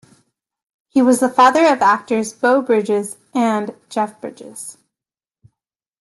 He was the father of actors Beau Bridges and Jeff Bridges.